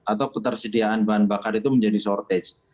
atau ketersediaan bahan bakar itu menjadi shortage